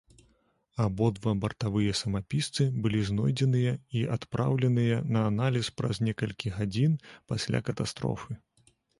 Абодва бартавыя самапісцы былі знойдзеныя і адпраўленыя на аналіз праз некалькі гадзін пасля катастрофы.